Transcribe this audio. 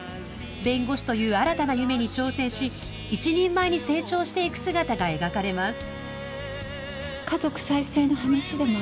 弁護士という新たな夢に挑戦し一人前に成長していく姿が描かれます。